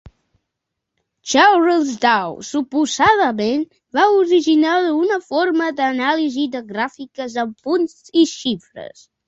Charles Dow, suposadament, va originar una forma d'anàlisi de gràfiques amb punts i xifres.